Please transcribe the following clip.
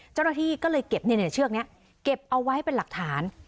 เจ้าหน้าที่ก็เลยเก็บเชือกนี้เก็บเอาไว้เป็นหลักฐาน